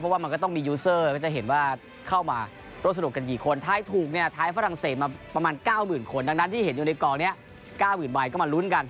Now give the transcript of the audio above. เพราะว่ามันก็ต้องมียูเซอร์เขาจะเห็นว่าเข้ามาลดสนุกกันหี่คน